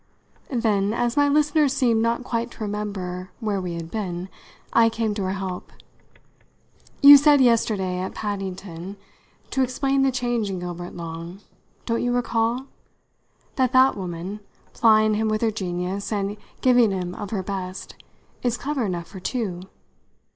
Then, as my listener seemed not quite to remember where we had been, I came to her help. "You said yesterday at Paddington, to explain the change in Gilbert Long don't you recall? that that woman, plying him with her genius and giving him of her best, is clever enough for two.